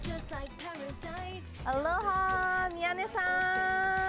アロハー、宮根さん。